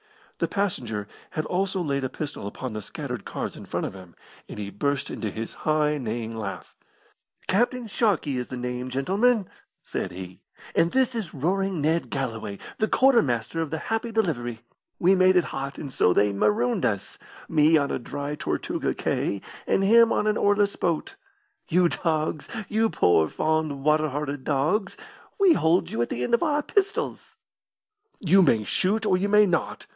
The passenger had also laid a pistol upon the scattered cards in front of him, and he burst into his high, neighing laugh. "Captain Sharkey is the name, gentlemen," said he, "and this is Roaring Ned Galloway, the quartermaster of the Happy Delivery. We made it hot, and so they marooned us: me on a dry Tortuga cay, and him in an oarless boat. You dogs you poor, fond, water hearted dogs we hold you at the end of our pistols!" "You may shoot, or you may not!"